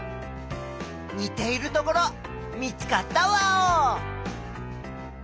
にているところ見つかったワオ！